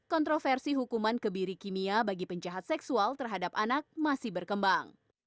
kontroversi hukuman kebiri kimia bagi penjahat seksual terhadap anak masih berkembang